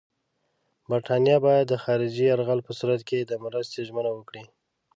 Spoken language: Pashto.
برټانیه باید د خارجي یرغل په صورت کې د مرستې ژمنه وکړي.